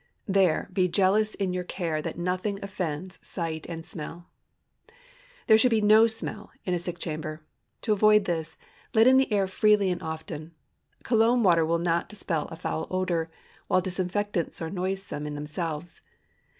There be jealous in your care that nothing offends sight and smell. There should be no smell in a sick chamber. To avoid this, let in the air freely and often. Cologne water will not dispel a foul odor, while disinfectants are noisome in themselves.